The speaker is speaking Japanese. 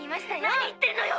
何言ってるのよ！